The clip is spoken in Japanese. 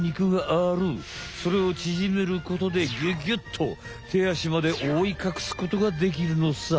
それをちぢめることでギュギュッと手あしまでおおいかくすことができるのさ！